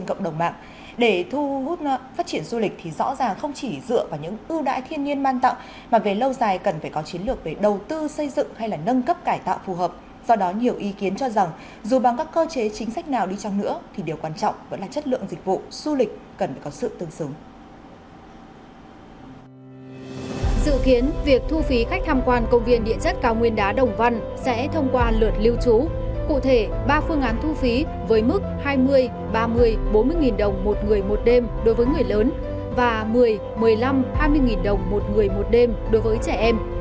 cụ thể ba phương án thu phí với mức hai mươi ba mươi bốn mươi đồng một người một đêm đối với người lớn và một mươi một mươi năm hai mươi đồng một người một đêm đối với trẻ em